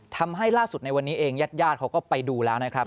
ทำให้ล่าสุดในวันนี้เองญาติญาติเขาก็ไปดูแล้วนะครับ